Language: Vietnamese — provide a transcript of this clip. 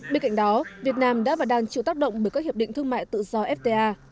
bên cạnh đó việt nam đã và đang chịu tác động bởi các hiệp định thương mại tự do fta